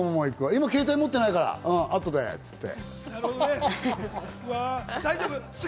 今携帯持ってないからあとでっつって。